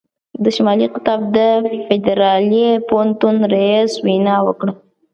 د شمالي قطب د فدرالي پوهنتون رييس وینا وکړه.